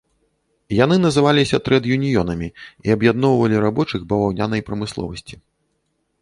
Яны называліся трэд-юніёнамі і аб'ядноўвалі рабочых баваўнянай прамысловасці.